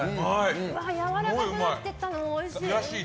やわらかくなっていったのおいしい。